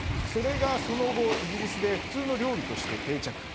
それがその後、イギリスで普通の料理として定着。